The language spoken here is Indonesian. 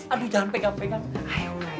aduh jangan pegang pegang